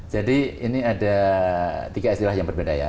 jadi ini ada tiga istilah yang berbeda ya